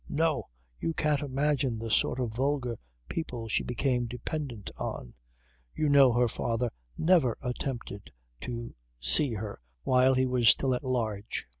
No! You can't imagine the sort of vulgar people she became dependent on ... You know her father never attempted to see her while he was still at large.